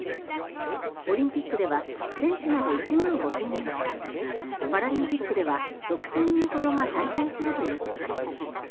オリンピックでは選手など１万５０００人近くパラリンピックでは６０００人ほどが滞在するということです。